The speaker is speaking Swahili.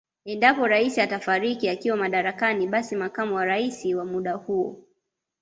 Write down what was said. Endapo Rais atafariki akiwa madarakani basi makamu wa Rais wa muda huo